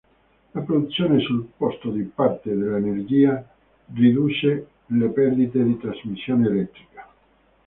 La produzione sul posto di parte dell'energia riduce le perdite di trasmissione elettrica.